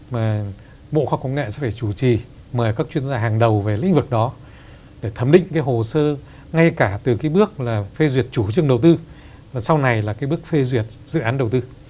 mà bộ khoa học công nghệ sẽ phải chủ trì mời các chuyên gia hàng đầu về lĩnh vực đó để thẩm định cái hồ sơ ngay cả từ cái bước là phê duyệt chủ trương đầu tư và sau này là cái bước phê duyệt dự án đầu tư